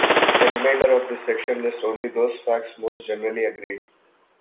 The remainder of this section lists only those facts most generally agreed.